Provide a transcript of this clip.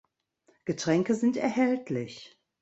Getränke sind erhältlich.